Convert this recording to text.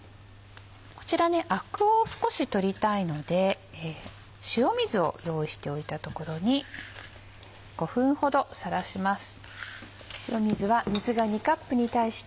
こちらアクを少し取りたいので塩水を用意しておいたところに５分ほどさらします。